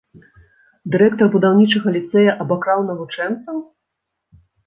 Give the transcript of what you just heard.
Дырэктар будаўнічага ліцэя абакраў навучэнцаў?